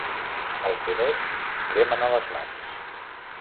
Els diners cremen a les mans.